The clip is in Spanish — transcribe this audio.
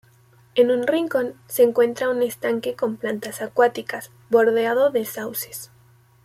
En un rincón se encuentra un estanque con plantas acuáticas, bordeado de sauces.